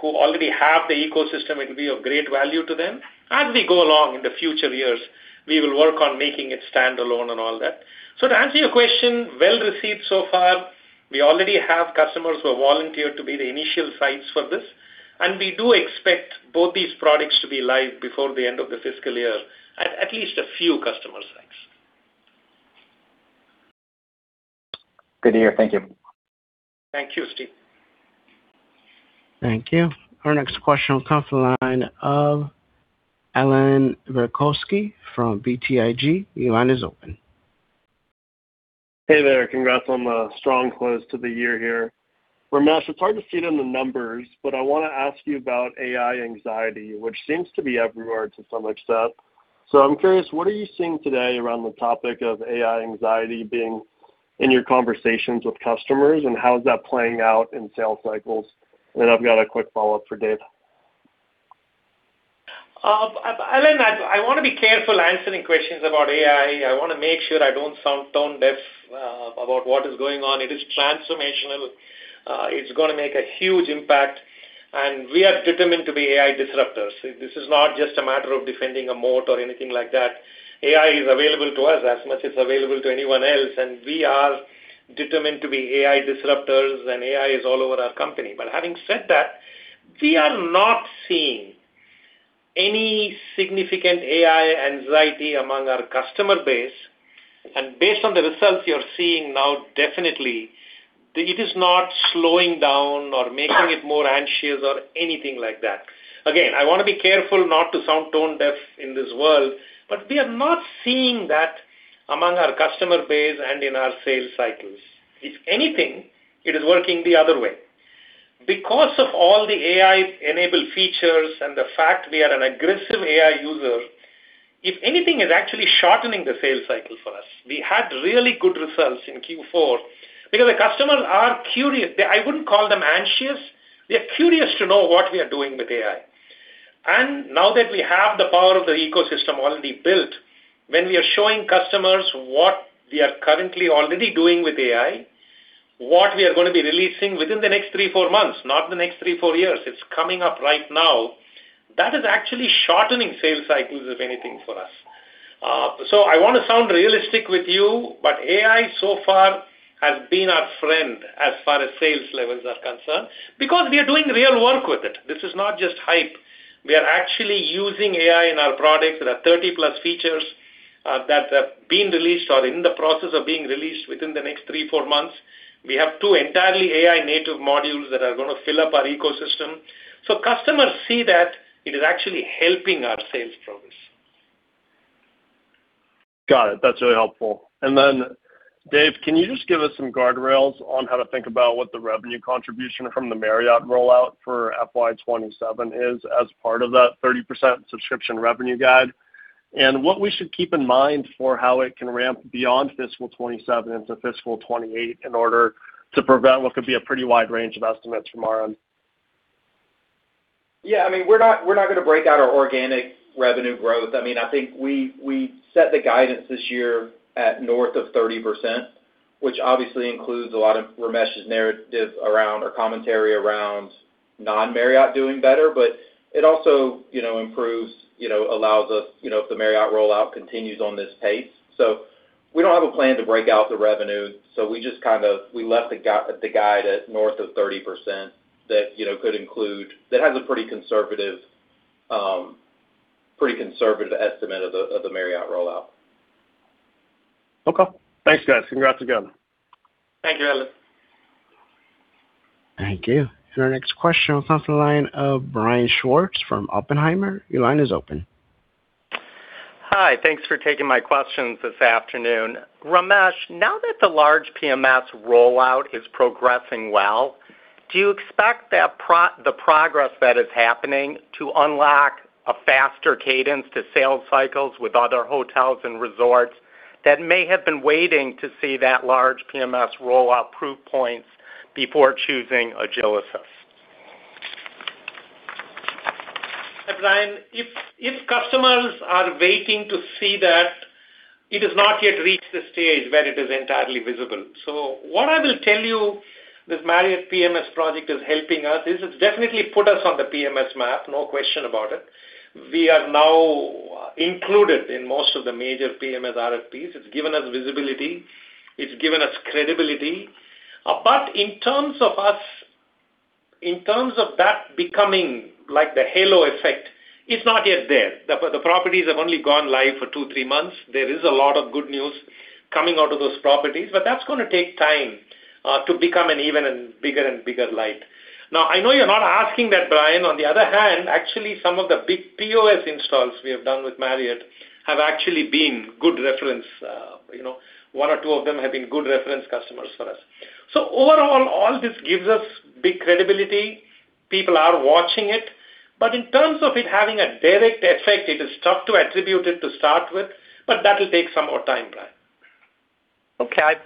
who already have the ecosystem. It will be of great value to them. As we go along in the future years, we will work on making it stand alone and all that. To answer your question, well received so far. We already have customers who volunteered to be the initial sites for this, and we do expect both these products to be live before the end of the fiscal year at least a few customer sites. Good to hear. Thank you. Thank you, Steve. Thank you. Our next question will come from the line of Allan Verkhovski from BTIG. Your line is open. Hey there. Congrats on the strong close to the year here. Ramesh, it's hard to see it in the numbers, but I wanna ask you about AI anxiety, which seems to be everywhere to some extent. I'm curious, what are you seeing today around the topic of AI anxiety being in your conversations with customers, and how is that playing out in sales cycles? I've got a quick follow-up for Dave. Allan, I wanna be careful answering questions about AI. I wanna make sure I don't sound tone deaf about what is going on. It is transformational. It's gonna make a huge impact, we are determined to be AI disruptors. This is not just a matter of defending a moat or anything like that. AI is available to us as much as available to anyone else, we are determined to be AI disruptors, and AI is all over our company. Having said that, we are not seeing any significant AI anxiety among our customer base. Based on the results you're seeing now, definitely, it is not slowing down or making it more anxious or anything like that. Again, I wanna be careful not to sound tone deaf in this world, but we are not seeing that among our customer base and in our sales cycles. If anything, it is working the other way. Because of all the AI-enabled features and the fact we are an aggressive AI user, if anything, it's actually shortening the sales cycle for us. We had really good results in Q4 because the customers are curious. I wouldn't call them anxious. They're curious to know what we are doing with AI. Now that we have the power of the ecosystem already built, when we are showing customers what we are currently already doing with AI, what we are gonna be releasing within the next three, four months, not the next three, four years, it's coming up right now. That is actually shortening sales cycles, if anything, for us. I wanna sound realistic with you, but AI so far has been our friend as far as sales levels are concerned because we are doing real work with it. This is not just hype. We are actually using AI in our products. There are 30+ features that have been released or in the process of being released within the next three, four months. We have two entirely AI native modules that are gonna fill up our ecosystem. Customers see that it is actually helping our sales progress. Got it. That's really helpful. Dave, can you just give us some guardrails on how to think about what the revenue contribution from the Marriott rollout for FY 2027 is as part of that 30% subscription revenue guide? What we should keep in mind for how it can ramp beyond fiscal 2027 into fiscal 2028 in order to prevent what could be a pretty wide range of estimates from our end. Yeah. I mean, we're not gonna break out our organic revenue growth. I mean, I think we set the guidance this year at north of 30%, which obviously includes a lot of Ramesh's narratives around or commentary around non-Marriott doing better. It also, you know, improves, you know, allows us, you know, if the Marriott rollout continues on this pace. We don't have a plan to break out the revenue, so we left the guide at north of 30% that, you know, that has a pretty conservative estimate of the Marriott rollout. Okay. Thanks, guys. Congrats again. Thank you, Allan. Thank you. Our next question comes from the line of Brian Schwartz from Oppenheimer. Hi. Thanks for taking my questions this afternoon. Ramesh, now that the large PMS rollout is progressing well, do you expect that the progress that is happening to unlock a faster cadence to sales cycles with other hotels and resorts that may have been waiting to see that large PMS rollout proof points before choosing Agilysys? Brian, if customers are waiting to see that, it has not yet reached the stage where it is entirely visible. What I will tell you, this Marriott PMS project is helping us, it's definitely put us on the PMS map. No question about it. We are now included in most of the major PMS RFPs. It's given us visibility. It's given us credibility. In terms of that becoming like the halo effect, it's not yet there. The properties have only gone live for two, three months. There is a lot of good news coming out of those properties, but that's gonna take time to become an even bigger light. I know you're not asking that, Brian. On the other hand, actually some of the big POS installs we have done with Marriott have actually been good reference, you know, one or two of them have been good reference customers for us. Overall, all this gives us big credibility. People are watching it, but in terms of it having a direct effect, it is tough to attribute it to start with, but that will take some more time, Brian. Okay. I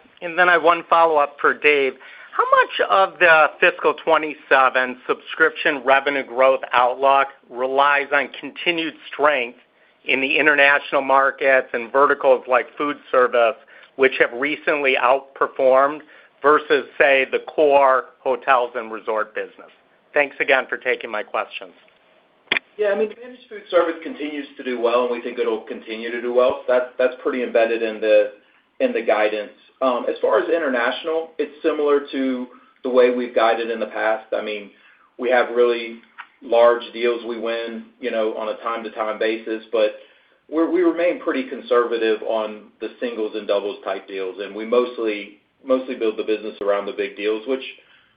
have one follow-up for Dave. How much of the fiscal 2027 subscription revenue growth outlook relies on continued strength in the international markets and verticals like food service, which have recently outperformed versus, say, the core hotels and resort business? Thanks again for taking my questions. I mean, managed food service continues to do well, and we think it'll continue to do well. That's pretty embedded in the guidance. As far as international, it's similar to the way we've guided in the past. I mean, we have really large deals we win, you know, on a time to time basis, but we remain pretty conservative on the singles and doubles type deals, and we mostly build the business around the big deals, which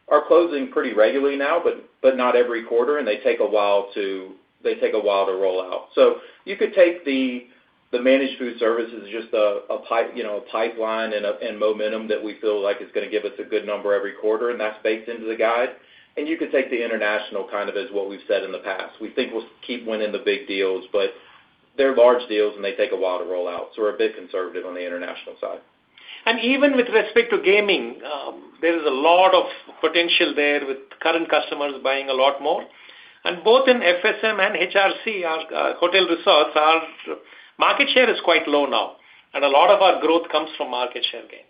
are closing pretty regularly now, but not every quarter, and they take a while to roll out. You could take the managed food service as just a pipe, you know, a pipeline and momentum that we feel like is gonna give us a good number every quarter, and that's baked into the guide. You could take the international kind of as what we've said in the past. We think we'll keep winning the big deals, but they're large deals, and they take a while to roll out. We're a bit conservative on the international side. Even with respect to gaming, there is a lot of potential there with current customers buying a lot more. Both in FSM and HRC, our hotel resorts, our market share is quite low now, and a lot of our growth comes from market share gains.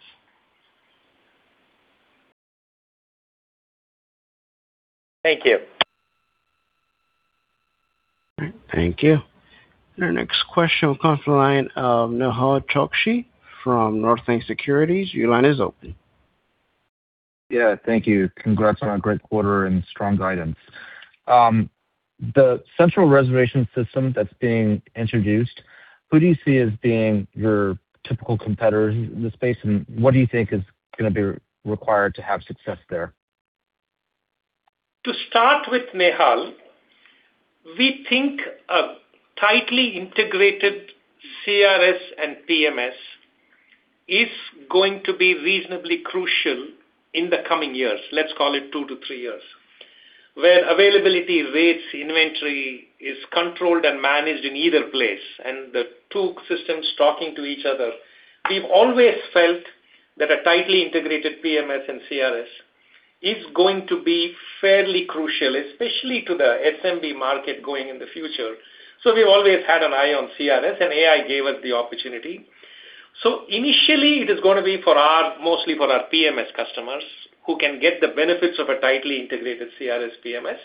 Thank you. All right. Thank you. Our next question will come from the line of Nehal Chokshi from Northland Securities. Your line is open. Yeah. Thank you. Congrats on a great quarter and strong guidance. The Central Reservation System that's being introduced, who do you see as being your typical competitor in this space, and what do you think is gonna be required to have success there? To start with, Nehal, we think a tightly integrated CRS and PMS is going to be reasonably crucial in the coming years. Let's call it two to three years, where availability, rates, inventory is controlled and managed in either place and the two systems talking to each other. We've always felt that a tightly integrated PMS and CRS is going to be fairly crucial, especially to the SMB market going in the future. We've always had an eye on CRS, and AI gave us the opportunity. Initially, it is gonna be mostly for our PMS customers who can get the benefits of a tightly integrated CRS PMS.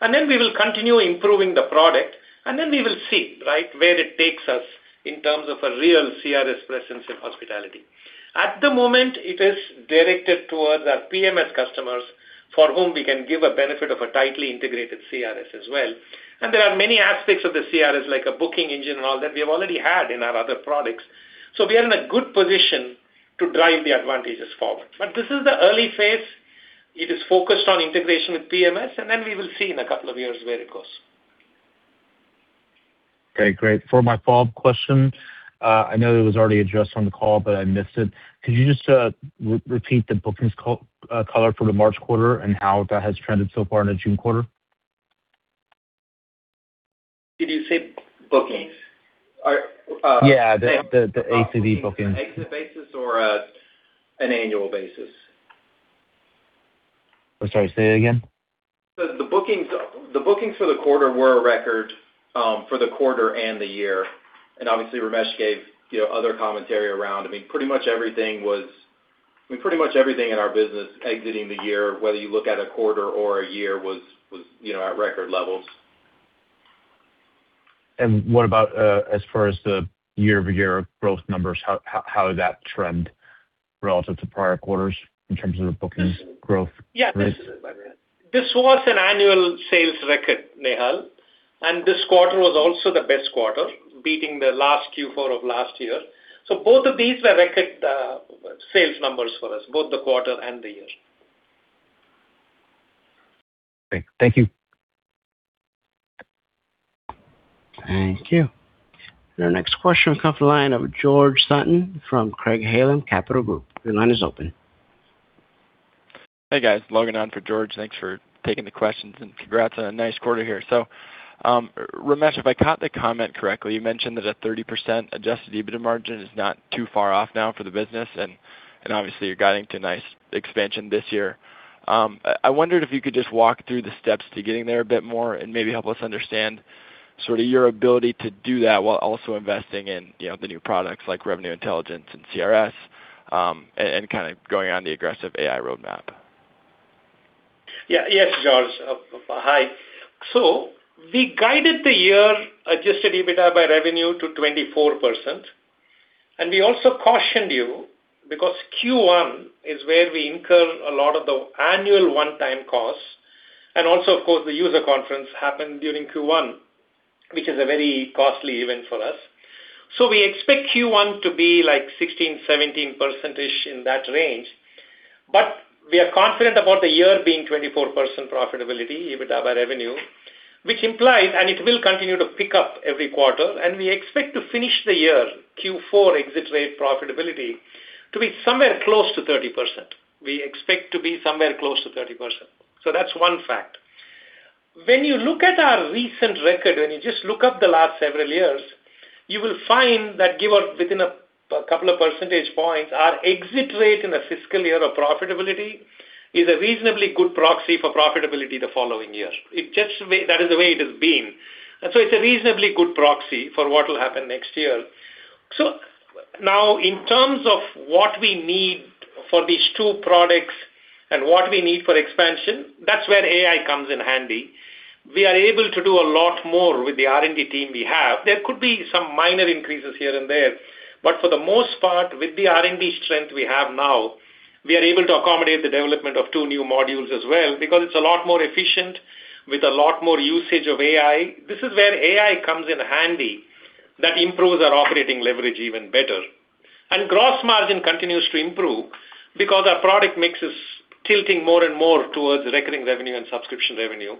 Then we will continue improving the product, and then we will see, right, where it takes us in terms of a real CRS presence in hospitality. At the moment, it is directed towards our PMS customers for whom we can give a benefit of a tightly integrated CRS as well. There are many aspects of the CRS, like a booking engine and all that we have already had in our other products. We are in a good position to drive the advantages forward. This is the early phase. It is focused on integration with PMS, and then we will see in two years where it goes. Okay, great. For my follow-up question, I know it was already addressed on the call, but I missed it. Could you just re-repeat the bookings color for the March quarter and how that has trended so far in the June quarter? Did you say bookings? Are. Yeah, the ACV bookings. Exit basis or an annual basis? I'm sorry, say that again. The bookings for the quarter were a record for the quarter and the year. Obviously, Ramesh gave, you know, other commentary around. I mean, pretty much everything in our business exiting the year, whether you look at a quarter or a year, was, you know, at record levels. What about, as far as the year-over-year growth numbers, how did that trend relative to prior quarters in terms of the bookings growth? Yeah. This was an annual sales record, Nehal, and this quarter was also the best quarter, beating the last Q4 of last year. Both of these were record sales numbers for us, both the quarter and the year. Okay. Thank you. Thank you. Our next question will come from the line of George Sutton from Craig-Hallum Capital Group. Your line is open. Hey, guys. Logan on for George. Thanks for taking the questions, and congrats on a nice quarter here. Ramesh, if I caught the comment correctly, you mentioned that a 30% adjusted EBITDA margin is not too far off now for the business and obviously you're guiding to nice expansion this year. I wondered if you could just walk through the steps to getting there a bit more and maybe help us understand sort of your ability to do that while also investing in, you know, the new products like Revenue Intelligence and CRS and kinda going on the aggressive AI roadmap. Yes, George. Hi. We guided the year adjusted EBITDA by revenue to 24%, and we also cautioned you because Q1 is where we incur a lot of the annual one-time costs. Also, of course, the user conference happened during Q1, which is a very costly event for us. We expect Q1 to be like 16%-17% in that range. We are confident about the year being 24% profitability, EBITDA revenue, which implies, and it will continue to pick up every quarter. We expect to finish the year Q4 exit rate profitability to be somewhere close to 30%. That's one fact. When you look at our recent record, when you just look up the last several years, you will find that within a couple of percentage points, our exit rate in a fiscal year of profitability is a reasonably good proxy for profitability the following year. That is the way it has been. It's a reasonably good proxy for what will happen next year. Now in terms of what we need for these two products and what we need for expansion, that's where AI comes in handy. We are able to do a lot more with the R&D team we have. There could be some minor increases here and there, but for the most part, with the R&D strength we have now, we are able to accommodate the development of two new modules as well because it's a lot more efficient with a lot more usage of AI. This is where AI comes in handy that improves our operating leverage even better. Gross margin continues to improve because our product mix is tilting more and more towards recurring revenue and subscription revenue.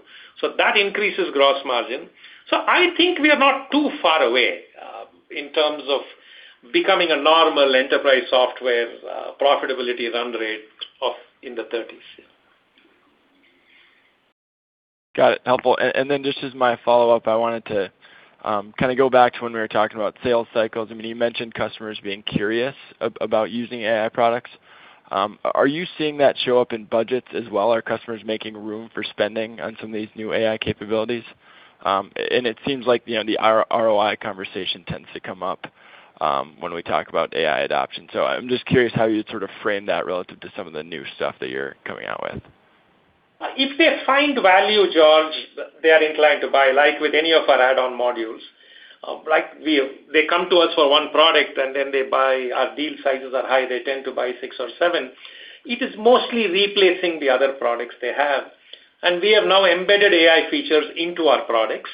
That increases gross margin. I think we are not too far away in terms of becoming a normal enterprise software profitability run rate of in the 30s. Yeah. Got it. Helpful. Then just as my follow-up, I wanted to kinda go back to when we were talking about sales cycles. I mean, you mentioned customers being curious about using AI products. Are you seeing that show up in budgets as well? Are customers making room for spending on some of these new AI capabilities? It seems like, you know, the ROI conversation tends to come up when we talk about AI adoption. I'm just curious how you'd sort of frame that relative to some of the new stuff that you're coming out with. If they find value, George, they are inclined to buy, like with any of our add-on modules. They come to us for one product, and then they buy. Our deal sizes are high. They tend to buy six or seven. It is mostly replacing the other products they have. We have now embedded AI features into our products,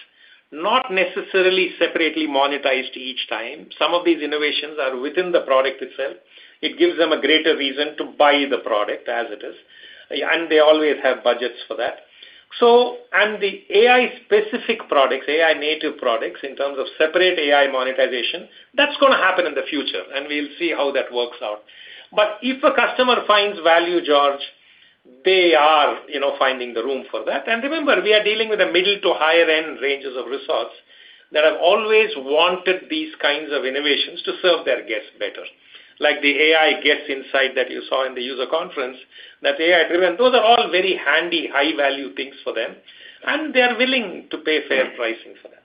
not necessarily separately monetized each time. Some of these innovations are within the product itself. It gives them a greater reason to buy the product as it is. Yeah. They always have budgets for that. The AI specific products, AI native products, in terms of separate AI monetization, that's going to happen in the future, and we'll see how that works out. If a customer finds value, George, they are, you know, finding the room for that. Remember, we are dealing with the middle to higher end ranges of resorts that have always wanted these kinds of innovations to serve their guests better. Like the AI guest insight that you saw in the user conference, that is AI driven. Those are all very handy, high value things for them, and they are willing to pay fair pricing for that.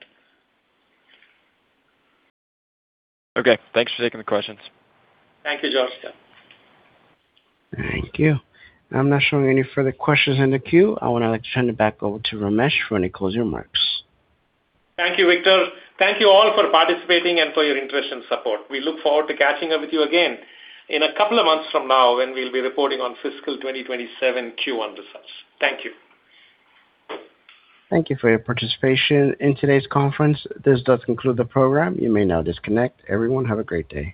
Okay. Thanks for taking the questions. Thank you, George. Thank you. I'm not showing any further questions in the queue. I would like to turn it back over to Ramesh for any closing remarks. Thank you, Victor. Thank you all for participating and for your interest and support. We look forward to catching up with you again in a couple of months from now when we'll be reporting on fiscal 2027 Q1 results. Thank you. Thank you for your participation in today's conference. This does conclude the program. You may now disconnect. Everyone, have a great day.